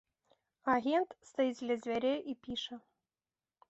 Агент стаіць ля дзвярэй і піша.